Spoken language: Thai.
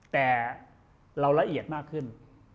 แต่เราละเอียดมากขึ้น